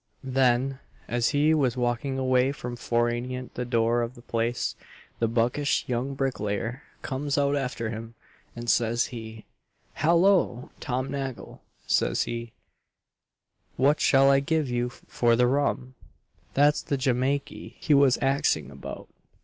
Then, as he was walking away from fore anent the door of the place, the buckish young bricklayer comes out after him, and says he, 'Hallo! Tom Nagle,' says he, 'what shall I give you for the rum?' that's the Jimakey he was axing about.